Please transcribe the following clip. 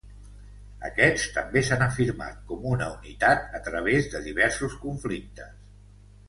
Aquests també s'han afirmat com una unitat a través de diversos conflictes.